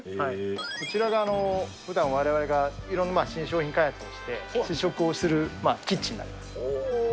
こちらがふだん、われわれがいろんな新商品開発をして、試食をするキッチンなんですね。